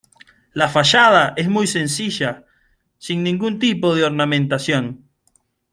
La fachada es muy sencilla, sin ningún tipo de ornamentación.